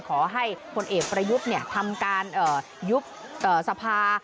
ขอให้พลเอกประยุทธ์ทำการยุบสภา